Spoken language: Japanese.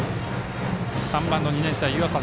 ３番の２年生、湯浅。